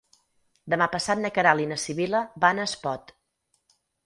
Demà passat na Queralt i na Sibil·la van a Espot.